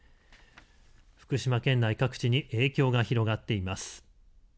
福島県内各地に影響が広がっています。